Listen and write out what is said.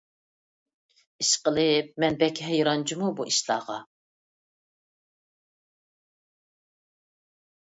ئىشقىلىپ، مەن بەك ھەيران جۇمۇ بۇ ئىشلارغا.